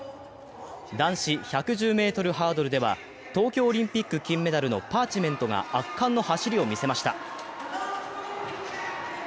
男子１１０ｍハードルでは東京オリンピック金メダルのパーチメントが圧巻の走りを見せました。